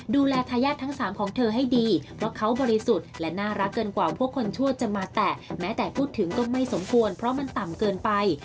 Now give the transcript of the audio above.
ดูแลทายาททั้งสามของเธอให้ดีเพราะเขาบริสุทธิ์และน่ารักเกินกว่าพวกคนชั่วจะมาแตะแม้แต่พูดถึงก็ไม่สมควรเพราะมันต่ำเกินไป